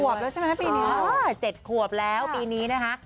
ขวบแล้วใช่ไหมฮะปีนี้อ่าเจ็ดขวบแล้วปีนี้นะฮะ